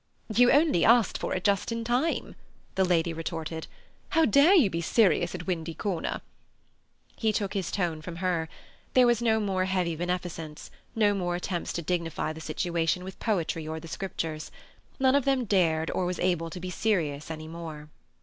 "You only asked for it just in time," the lady retorted. "How dare you be serious at Windy Corner?" He took his tone from her. There was no more heavy beneficence, no more attempts to dignify the situation with poetry or the Scriptures. None of them dared or was able to be serious any more.